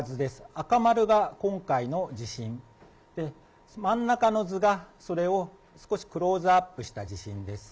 赤丸が今回の地震、で、真ん中の図が、それを少しクローズアップした地震です。